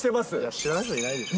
知らない人いないでしょ。